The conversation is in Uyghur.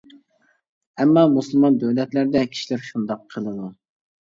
ئەمما، مۇسۇلمان دۆلەتلەردە، كىشىلەر شۇنداق قىلىدۇ.